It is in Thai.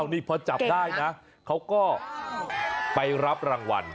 นี่พอจับได้นะเขาก็ไปรับรางวัล